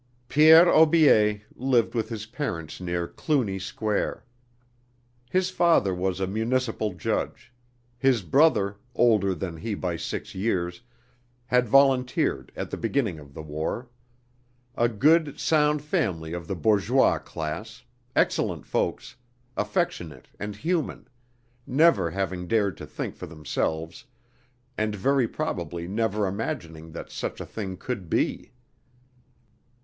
PIERRE AUBIER lived with his parents near Cluny Square. His father was a municipal judge; his brother, older than he by six years, had volunteered at the beginning of the war. A good sound family of the bourgeois class, excellent folks, affectionate and human, never having dared to think for themselves and very probably never imagining that such a thing could be.